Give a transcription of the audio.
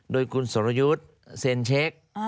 โดยคุณสรยุทธ์เซ็นเช็ค